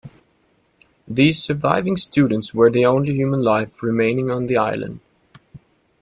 The surviving students were the only human life remaining on the island.